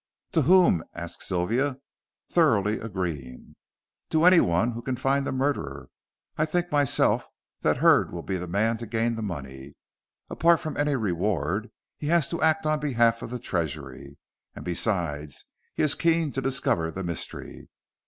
"To whom?" asked Sylvia, thoroughly agreeing. "To anyone who can find the murderer. I think myself, that Hurd will be the man to gain the money. Apart from any reward he has to act on behalf of the Treasury, and besides, he is keen to discover the mystery.